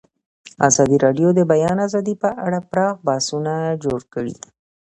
ازادي راډیو د د بیان آزادي په اړه پراخ بحثونه جوړ کړي.